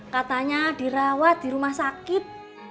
katanya dirawat di rumah sakit